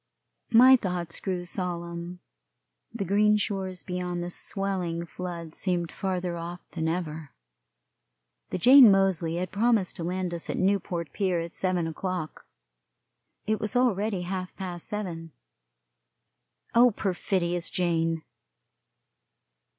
My thoughts grew solemn. The green shores beyond the swelling flood seemed farther off than ever. The Jane Moseley had promised to land us at Newport pier at seven o'clock. It was already half past seven; oh, perfidious Jane!